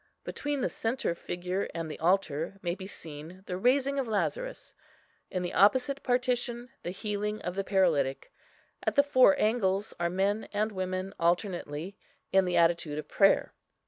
Between the centre figure and the altar may be seen the raising of Lazarus; in the opposite partition the healing of the paralytic; at the four angles are men and women alternately in the attitude of prayer.